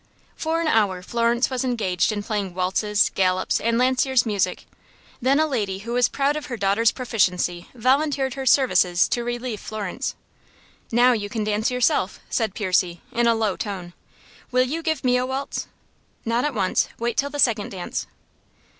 For an hour Florence was engaged in playing waltzes, gallops and lanciers music. Then a lady who was proud of her daughter's proficiency volunteered her services to relieve Florence. "Now you can dance yourself," said Percy, in a low tone. "Will you give me a waltz?" "Not at once. Wait till the second dance."